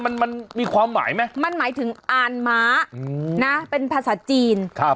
มันมันมีความหมายไหมมันหมายถึงอ่านม้าอืมนะเป็นภาษาจีนครับ